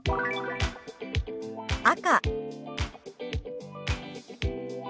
「赤」。